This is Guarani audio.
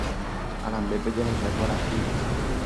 Arambépe jahecha kuarahy